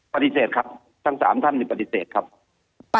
ปฏิเสธครับทั้ง๓ท่านปฏิเสธครับ